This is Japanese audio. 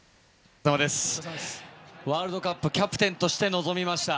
ワールドカップキャプテンとして臨みました。